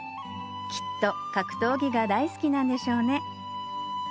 きっと格闘技が大好きなんでしょうね